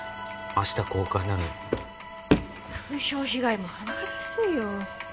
明日公開なのに風評被害も甚だしいよ